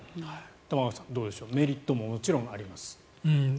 玉川さん、どうでしょうメリットももちろんあります。